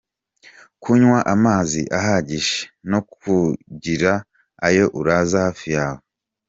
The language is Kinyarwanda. Kunywa amazi ahagije no kugira ayo uraza hafi yawe.